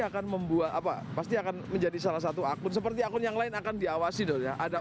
akan membuat apa pasti akan menjadi salah satu akun seperti akun yang lain akan diawasi dong ya ada